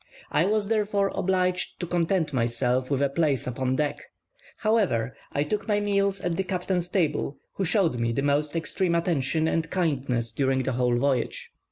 I was, therefore, obliged to content myself with a place upon deck; however, I took my meals at the captain's table, who showed me the most extreme attention and kindness during the whole voyage.